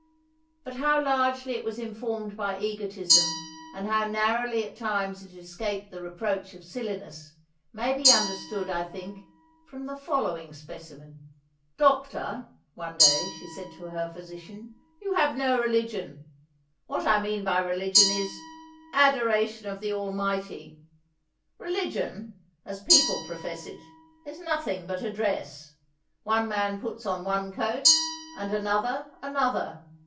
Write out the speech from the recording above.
But how largely it was informed by egotism, and how narrowly at times it escaped the reproach of silliness, may be understood, I think, from the following specimen: "Doctor," one day she said to her physician, "you have no religion: what I mean by religion is, adoration of the Almighty. Religion, as people profess it, is nothing but a dress. One man puts on one coat, and another another.